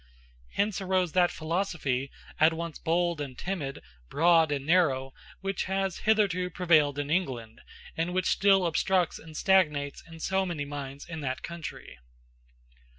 Hence arose that philosophy, at once bold and timid, broad and narrow, which has hitherto prevailed in England, and which still obstructs and stagnates in so many minds in that country.